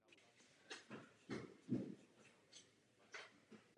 Na ostrově stála kaple panny Marie.